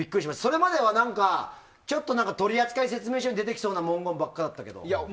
それまではちょっと取扱説明書に出てきそうな文言ばっかりでしたけど。